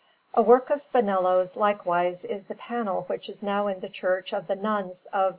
A work of Spinello's, likewise, is the panel which is now in the Church of the Nuns of S.